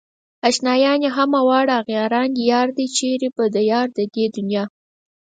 اشنايان يې همه واړه اغياران دي يار دئ چيرې په ديار د دې دنيا